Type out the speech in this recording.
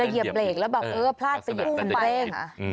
จะเหยียบเหล็กแล้วบอกเออพลาดแต่เหยียบคันเร่ง